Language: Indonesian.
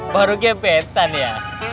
baru gebetan ya